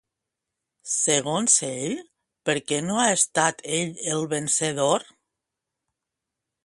Segons ell, per què no ha estat ell el vencedor?